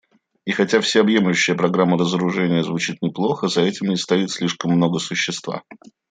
И хотя всеобъемлющая программа разоружения звучит неплохо, за этим не стоит слишком много существа.